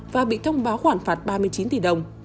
và bị thông báo khoản phạt ba mươi chín tỷ đồng